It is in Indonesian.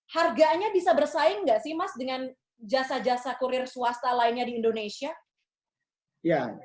harganya bisa bersaing nggak sih mas dengan jasa jasa kurir swasta lainnya di indonesia